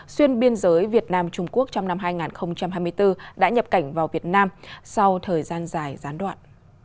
xuyên biên giới việt nam trung quốc trong năm hai nghìn hai mươi bốn đã nhập cảnh vào việt nam sau thời gian dài gián đoạn